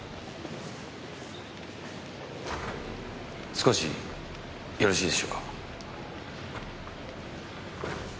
少しよろしいでしょうか？